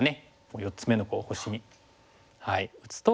４つ目の星に打つと。